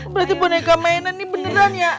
berarti boneka mainan ini beneran ya